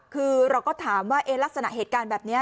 คือเราก็ถามว่าลักษณะเหตุการณ์แบบนี้